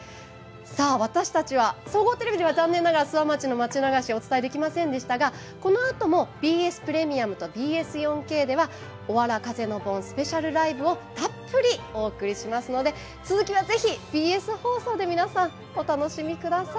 私たちは総合テレビでは残念ながら諏訪町の町流しをお伝えできませんでしたがこのあとも、ＢＳプレミアムとＢＳ４Ｋでは「おわら風の盆スペシャルライブ」をたっぷりお送りしますので続きは、ぜひＢＳ放送で皆さん、お楽しみください。